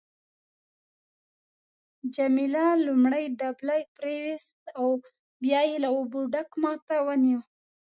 جميله لومړی دبلی پریویست او بیا یې له اوبو ډک ما ته ونیو.